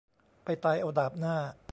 ไปตายเอาดาบหน้า